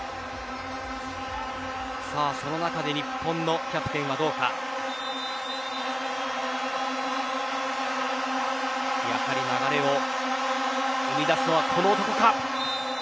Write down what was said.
さあ、その中で日本のキャプテンはどうかやはり流れを生み出すのは、この男か。